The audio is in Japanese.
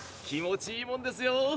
気持ちいいもんですよ。